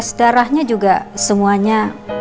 tes darah juga semuanya